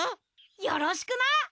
よろしくな！